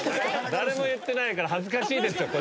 誰も言ってないから恥ずかしい。